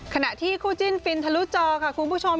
ขณะที่คู่จิ้นฟินทะลุจอค่ะคุณผู้ชม